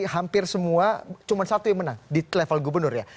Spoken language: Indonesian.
hampir semua cuma satu yang menang di level gubernur ya